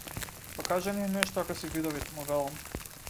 Па кажи ни нешто ако си видовит, му велам.